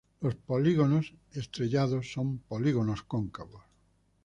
Los polígonos estrellados son polígonos cóncavos.